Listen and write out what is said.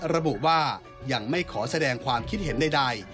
ระบุว่ายังไม่ขอแสดงความคิดเห็นใด